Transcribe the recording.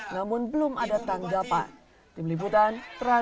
namun belum ada tanggapan